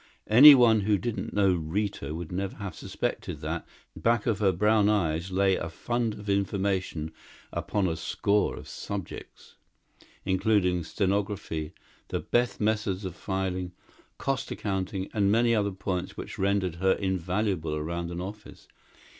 Anyone who didn't know Rita would never have suspected that, back of her brown eyes lay a fund of information upon a score of subjects including stenography, the best methods of filing, cost accounting, and many other points which rendered her invaluable around an office.